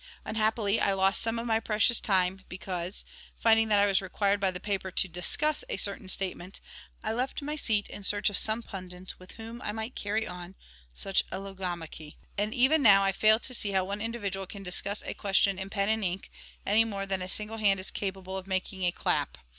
Unhappily, I lost some of my precious time because, finding that I was required by the paper to "discuss" a certain statement, I left my seat in search of some pundit with whom I might carry on such a logomachy. And even now I fail to see how one individual can discuss a question in pen and ink, any more than a single hand is capable of making a clap.